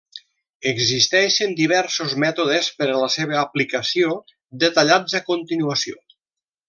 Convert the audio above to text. Existeixen diversos mètodes per a la seva aplicació, detallats a continuació.